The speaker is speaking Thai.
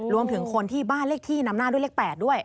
รวมถึงคนที่บ้านเลขที่นำหน้าด้วยเลข๘ด้วย